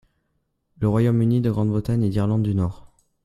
Le Royaume-Uni de Grande-Bretagne et d'Irlande du Nord.